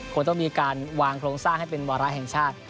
ควรต้องมีการวางโครงสร้างให้เป็นวาระแห่งชาติ